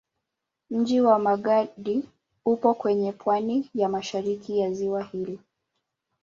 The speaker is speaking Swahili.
Mji wa Magadi upo kwenye pwani ya mashariki ya ziwa hili.